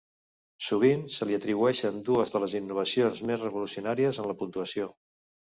Sovint se li atribueixen dues de les innovacions més revolucionàries en la puntuació.